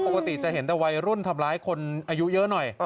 ปกติจะเห็นแต่วัยรุ่นทำร้ายคนอายุเยอะหน่อย